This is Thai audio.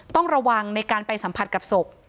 ต้องระวังในการไปสัมผัสกับศพ